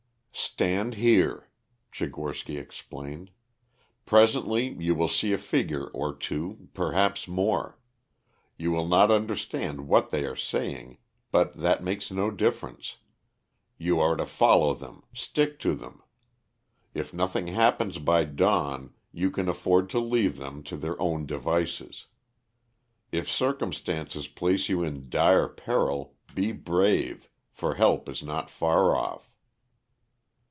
"Stand here," Tchigorsky explained. "Presently you will see a figure or two, perhaps more. You will not understand what they are saying, but that makes no difference. You are to follow them, stick to them. If nothing happens by dawn you can afford to leave them to their own devices. If circumstances place you in dire peril, be brave, for help is not far off."